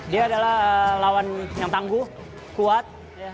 dia adalah lawan yang tangguh kuat